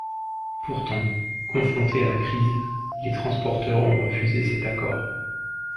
Pourtant, confrontés à la crise, les transporteurs ont refusé cet accord.